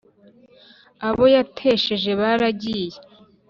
Abo yatesheje baragiye